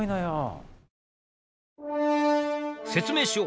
説明しよう。